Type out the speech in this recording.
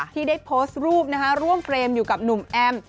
ที่ได้โพสต์รูปร่วมเฟรมอยู่กับหนุ่มแอม